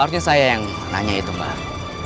harusnya saya yang nanya itu mbak